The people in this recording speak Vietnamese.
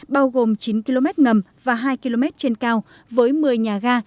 bao gồm chín km ngầm và hai km trên cao với một mươi nhà ga